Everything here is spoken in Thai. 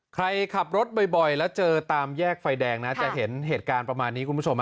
ใครขับรถบ่อยแล้วเจอตามแยกไฟแดงนะจะเห็นเหตุการณ์ประมาณนี้คุณผู้ชม